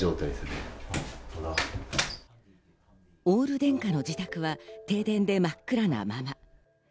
オール電化の自宅は停電で真っ暗なまま。